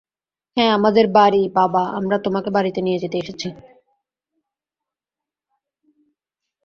হ্যাঁ, আমাদের বাড়ি, বাবা, আমরা তোমাকে বাড়িতে নিয়ে যেতে এসেছি।